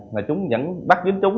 và chúng vẫn bắt dính chúng